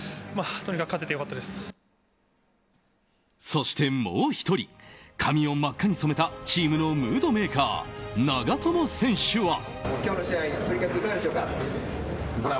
そして、もう１人髪を真っ赤に染めたチームのムードメーカー長友選手は。